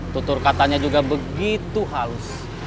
tutur katanya juga begitu halus